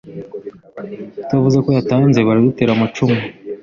utavuze ko yatanze baradutera amacumu